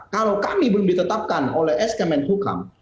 kalau kami belum ditetapkan oleh sk menbo kam